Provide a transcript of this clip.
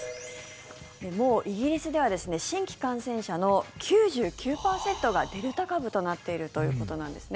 もうイギリスでは新規感染者の９９％がデルタ株となっているということなんですね。